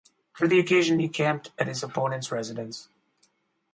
For the occasion he camped at his opponents residence.